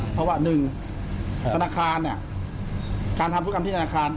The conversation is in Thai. เพราะว่าหนึ่งการทำธุรกรรมที่นาคาร